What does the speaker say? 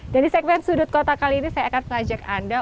dan di segmen sudut kota kali ini saya akan mengajak anda